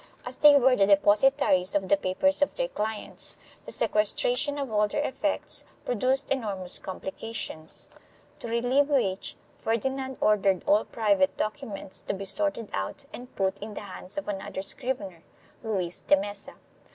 As they were the deposi taries of the papers of their clients, the sequestration of all their effects produced enormous complications, to relieve which Ferdi nand ordered all private documents to be sorted out and put in the hands of another scrivener, Luis de Mesa.